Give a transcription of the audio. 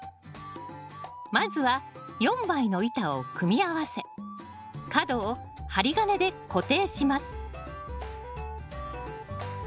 まずは４枚の板を組み合わせ角を針金で固定します